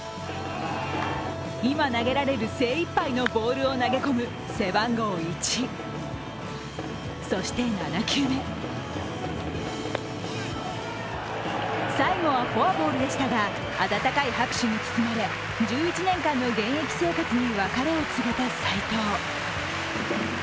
今投げられる精いっぱいのボールを投げ込む背番号１そして、７球目最後はフォアボールでしたが、温かい拍手に包まれ１１年間の現役生活に別れを告げた斎藤。